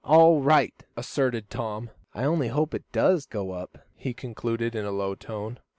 "All right," assented Tom. "I only hope it does go up," he concluded, in a low tone.